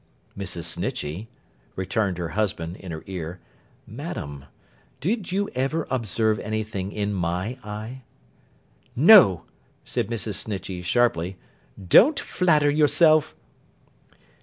'Mrs. Snitchey,' returned her husband, in her ear, 'Madam. Did you ever observe anything in my eye?' 'No,' said Mrs. Snitchey, sharply. 'Don't flatter yourself.